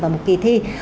vào một kỳ thi